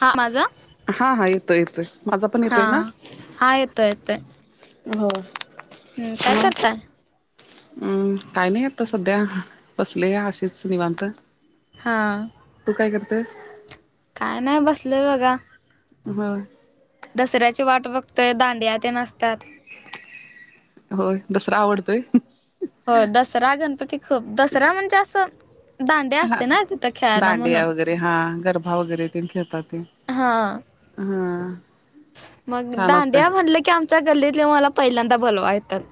हा माझा हा हा येतोय येतोय माझा पण हा येतोय ना हा येतोय येतोय हो हम्म काय करताय अम् काय नाही आता सध्या बसले या अेच निवांत हां तू काय करतय काय नाही बसलंय बघा हो दसऱ्याची वाट बघतय दांडिया ते नसतात होय दसरा आवडतोय हो दसरा गणपती खूप दसरा म्हणजे असं दांडिया हा असते ना तिथं खेळायला म्हणून दांडिया वगैरे हा गरभा वगैरे ते खेळतात ते हां हा मग छान असतय दांडिया म्हणलं की आमच्या गल्लीतले मला पहिल्यांदा बलवा येतं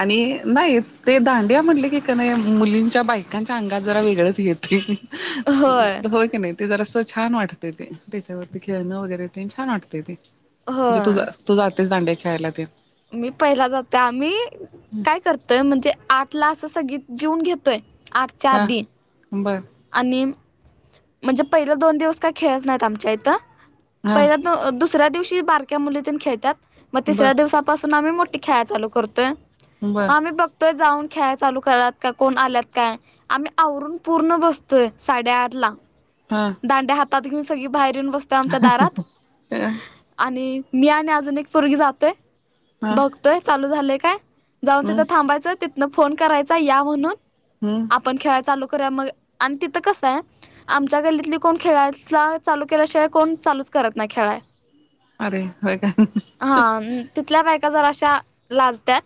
आणि नाही ते दांडिया म्हटले की का नाही मुलींच्या बायकांच्या अंगात जरा वेगळंच घेते होय हो क नाही ते जरास छान वाटते ते त्याच्यावरती खेळणं वगैरे ते छान वाटते ते म्हणजे तुझ होय तू जातेस दांडे खेळायला ते मी पहिला जाते आम्ही हम् काय करतोय म्हणजे आठला असं सग जिवून घेतोय आठच्या हा आधी बर आणि म्हणजे पहिले दोन दिवस का खेळत नाहीत आमच्या इथं हा पहि दुसऱ्या दिवशी बारक्या मुलीत खेळतात मग बर तिसऱ्या दिवसापासून आम्ही मोठी खाय चालू करतोय बर मग आम्ही बघ जाऊन खेळा चालू करत का कोण आल्यात काय आम्ही आवरून पूर्ण बसतो. तर साडेआठ ला हा दांड्या हातात घेऊन सगळी बाहेर येऊन बसतो आमच्या दारात आणि मी आणि अजून एक फर्गी जातोय हा बघतोय चालू झालय काय. जाऊन हम्म तिथं थांबायचं तिथनं फोन करायचा या म्हणून हा आपण खेळा चालू करूया मग आणि तिथं कसं आहे आमच्या गल्लीतली कोण खेळाला चालू केल्याशिवाय कोण चालूच करत नाही खेळाय अरे ह का हा तिथल्या बायका जरा अशा लाजत्याात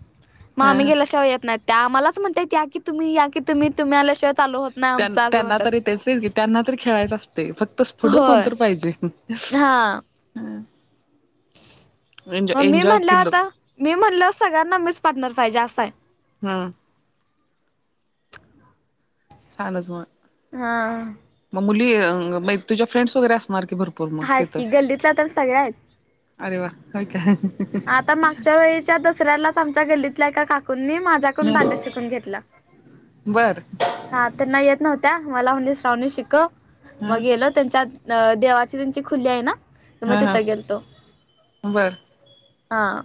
मग आम्ही हा गेल्याशिवाय येत नाही त्या आमलाच म्हणताात या की तुम्ही या की तुम्ही तुमच्याल्याशिय चालू होत नाही आमचं असं त्यांना म्हणतात तरी तेच की त्यांना तरी खेळायचं असते फक्त पुढं होय कोणत पाहिजे हा हम. मग मी म्हणल्या होता मी म्हणल सगळ्यांना मीच पार्टनर पाहिजे असं आहे. हम् सानस मग हा. मग मुली तुझ्या फ्रेंड्स वगैरे असणार की भरपूर मग आहेत तिथं की गल्लीतल्या तर सगळ्या आहेत. अरे वा का काय आता मागच्या वेळीच्या दसऱ्यालाच आमच्या गल्लीतल्या एका काकूंनी माझ्याकडून दांड्या शिकून घेतलं बरं. [unintelligible] त्यांच्या हा अ देवाची त्यांची खुली आहे ना तर मग हा हा तिथं गेलतो बर हां.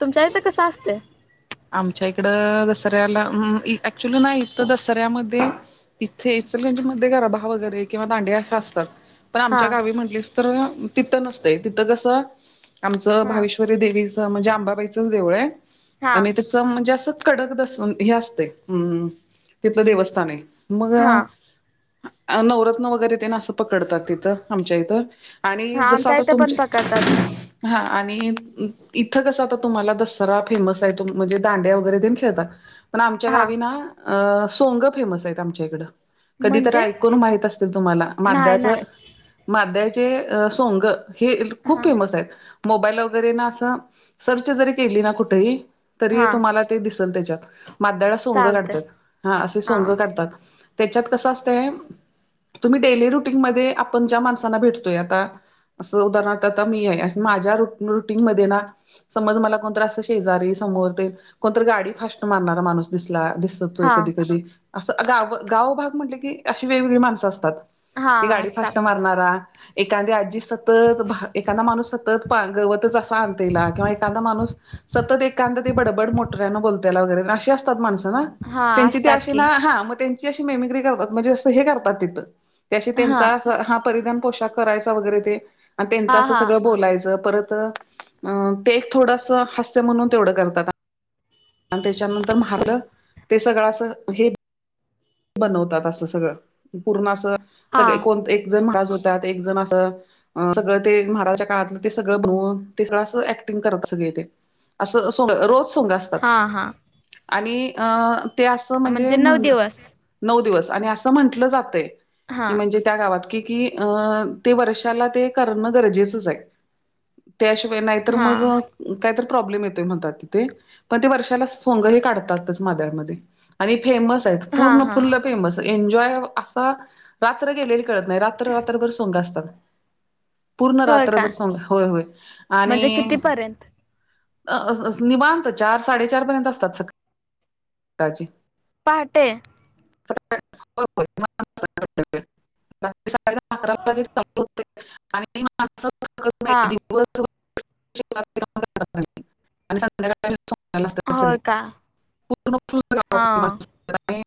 तुमच्या इथं कस असते. आमच्या इकडं दसऱ्याला ऍक्च्युली नाही तर दसऱ्यामध्ये. इथे इर त्यांच्या म गराबा वगैरे किंवा दांडे्या असशा असतात. पण आमच्या हां. गावी म्हटलीस तर तिथं नसतं तिथं कसं आमचं हा भाविष्य देवीच म्हणजे आंबाबाईचच देवळ आहे हा आणि म्हणजे असं कडक दस हे असते तिथलं देवस्थाान मग हा नवरत्न वगैरे ते ना असं पकडतात तिथं आमच्या इथं. आणि हा जस आमच्या आता इथं पण पकडतात तुमच्या हा आणि इथं कस आता तुम्हाला दसरा फेमस आहे त म्हणजे दांड्या वगैरे देन खेळतात पण आमच्या हा गावी ना अ सोंग फेमस आहेत आमच्या इकडं. कधीतरी म्हणजे ऐकून माहित असतील तुम्हाला नाही माद्याच नाही माद्याचे सोंग हे खूप हा फेमस आहे मोबाईल वगैरे ना असं सर्च जरी केली ना कुठेही तरी हा तुम्हाला ते दिसेल त्याच्यात मद्याळा सोंग चालतंय काढतात हा असे सोंग काढतात. त्याच्यात कसं असतंय तुम्ही डेली रुटीन मध्ये आपण ज्या माणसांना भेटतोय आता असं उदाहरणारथ आता मी आहे माझ्या रुटीनमध्ये ना समज मला कोणतरं असं शेजारी समोर ते कोणतरी गाडी फास्ट मारणारा माणूस दिसला दिस हा कधी कधी असं गाव गावभाग म्हटलं की अशी वेगवेगळी माणसं असतात. हा ती गाडी असतात फास्ट मारणारा एखाद आजी सतत एखादा माणूस सतत गवतच असा आणतेला किंवा एखादा माणूस सतत एकांद ते बडबड मोटऱ्यान बोलतायला वगैरे अशी असतात माणसं ना? हा त्यांची त असतात अशी की ना हा म त्यानं त्यांची अशी मेमीक्री करतात म्हणजे असं हे करतात तिथं ते अशी हा त्यांचा हा परिधान पोशाख करायचा वगैरे ते आणि हा त्यांचं असं हा सगळं बोलायचं परत अ ते एक थोडस हास्य म्हणून तेवढं करतात. आणि त्याच्यानंतर मारलं ते सगळं असं हे बनवतात असं सगळं पूर्ण असं हा सगळे कोण एक जण महाराज होतात एक जण असं सगळं ते महाराजच्या काळातलं ते सगळं बनवून ते सगळं असं ऍक्टिंग करत सगळे ते. असं सोंग रोज सोंग असतात हा हा आणि अ ते असं म्हणजे नऊ म्हणजे म्हण दिवस नऊ दिवस आणि असं म्हंटलं जातय हा की म्हणजे त्या गावात कि कि अ ते वर्षाला ते करणं गरजेचंच आहे. त्याशिवाय नाहीतर हा मग काहीतर प्रॉब्लेम येतोय म्हणतात तिथे पण ते वर्षाला सोंग हे काढतातच मादळमध्ये आणि फेमस आहेत हा पूर्ण हा फुल्ल फेमस एन्जॉय असा रात्र गेलेली कळत नाही रात्र रात्रभर सोंग असतात. पूर्ण होय का रात्रभर सोंग होय होय आणि म्हणजे कितीपर्यंत अस निबांत चार साडेचार पर्यंत असतात सकाळी सकाळची पहाटे [unintelligible] हा [unintelligible] आणि संध्याकाळ सोंग्याला असतात होय सगळे का पूर्ण फुल गाव हा [unintelligible] आणि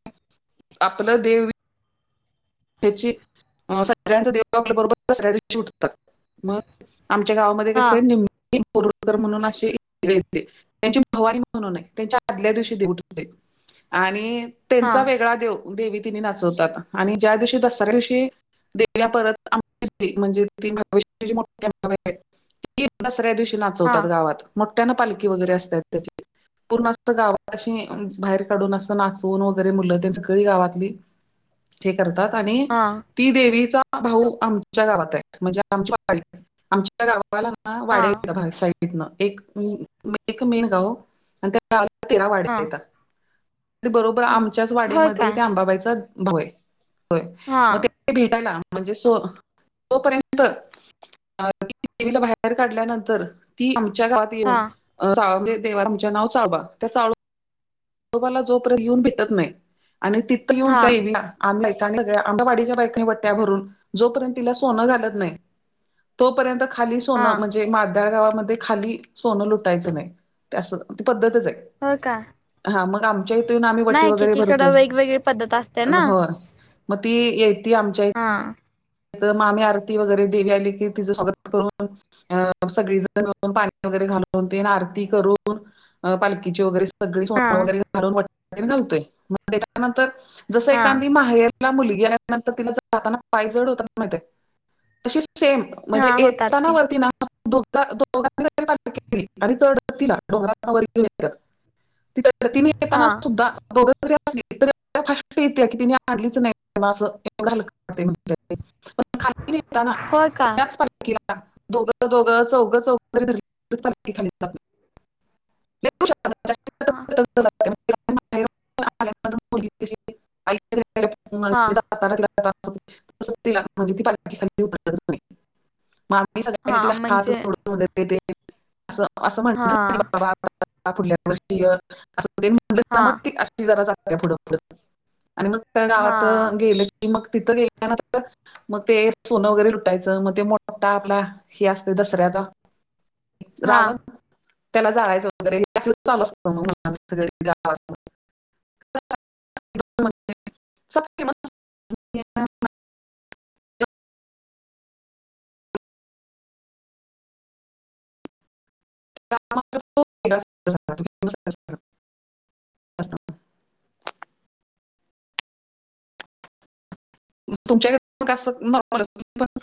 आपलं देव ह्याची सगळ्यांच देव आपल्याबरोबर दसऱ्या दिवशी उठतात. मग आमच्या गावामध्ये हा कस आहे निम बरकर म्हणून असे त्यांची भवानी म्हणून अय त्यांच्या आदल्या दिवशी देऊठते आणि हा त्यांचा वेगळा देव देवी तिने नाचवतात आणि ज्या दिवशी दसऱ्या दिवशी देल्या परत आ म्हणजे ती भविष्याची मोठी अंबाबाई ती दसऱ्या दिवशी हा नाचवतात गावात मोठ्या ना पालखी वगैरे असतात त्याची. पर्ण अस गावाशी बाहेर काढून असं नाचवून वगैरे मुललं तेन सगळी गावातली हे करतात आणि हा ती देवीचा भाऊ आमच्या गावात आहे म्हणजे आमची वाडी आमच्या गावाला ना हा वाड्या भा सा एक मेन गाव आणि त्या गावाला तेरा हा. वाड्या येतात बरोबर आमच्याच हम्म होय का वाड्यामध्ये त्या आंबाबाईचा भाऊ आहे होय हा मग ते भेटायला म्हणजे सो तोपर्यंत तवीला बाहेर काढल्यानंतर ती आमच्या गावात [inaudible] हा [unintelligible] तोम्हाला जोपर्यंत येऊन भेटत नाही आणि तिथं येऊन हा त्या आमला सगळ्या आमच्या वाडीच्या बायक बट्ट्या भरून जोपर्यंत तिला सोनं घलत नाही तोपर्यंत खाली हा सोनं म्हणजे मादळ गावामध्ये खाली सोनं लुटायचं नाही ते असं ती पद्धतच आहे हो का हा मग आमच्या इथून आम्ही वटी नाही वगैरे भरतो एकेकीकडं वेगवेगळी पद्धत असते ना हो मग ती यती आमच्या हां मामी आरती वगैरे देवी आली की तिचं स्वागत करून अ सगळी जण मिळ पाणी वगैरे घालून ते आरती करून पालखीची वगैरे सग स हा वगैरे घलून घालतोय त्याच्यानंतर जस हा एखदी माहेर तिला मुलील्यानंतर तिला जातना पाय जड होताना माहि तशी सेम म्हणजे हा होतात येताना की वरती नाही दघां केली आणि चढ तिला ोघां वात तिथतीनेी हा येताना सुद्धा दोघं तरी असली तर फष्ट येते की तिने आणलीच नाही असं एवढं ह म्हण होय का [unintelligible] [unintelligible] दोघ दोघ चौघ [inaudible] चौ खाली लू शक हा त खाली हा नाही मामी हा सगळ्यांनी तिला हात म्हणजे झोडून वगेते असं असं हा म्हणत बा बा पुुढल्या वोषी अस हा मग अशी जरागढं आणि मग त्या हा गावात गेलं की मग तिथं गेलं [inaudible] त्यानंतर मग ते सोनं वगैरे लुटायचं मग ते मोठठा आपला हे असते दसऱ्याचा हा रावत त्याला जागायचं वगैरे अस चालू असत मग चला कि मग [unintelligible] [inaudible] [inaudible] [inaudible] असतो. तुमच्याकडे [unintelligible] [inaudible]